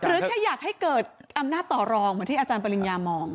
แค่อยากให้เกิดอำนาจต่อรองเหมือนที่อาจารย์ปริญญามอง